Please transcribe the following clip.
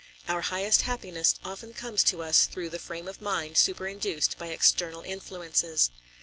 Our highest happiness often comes to us through the frame of mind superinduced by external influences.